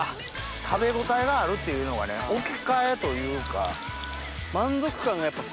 食べ応えがあるっていうのが置き換えというか。